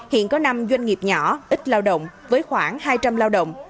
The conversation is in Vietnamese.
hiện có năm doanh nghiệp nhỏ ít lao động với khoảng hai trăm linh lao động